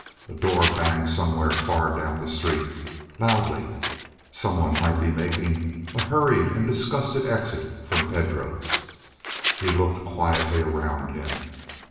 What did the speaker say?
A door banged somewhere far down the street, loudly. Someone might be making a hurried and disgusted exit from Pedro's. He looked quietly around him.